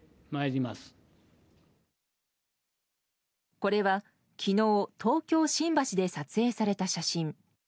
これは、昨日東京・新橋で撮影された写真。